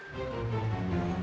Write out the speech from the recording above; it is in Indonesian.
kalo diambil semua